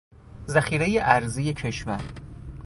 ذخیرهی ارزی کشور